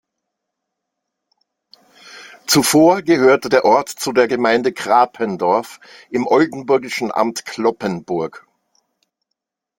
Zuvor gehörte der Ort zu der Gemeinde Krapendorf im oldenburgischen Amt Cloppenburg.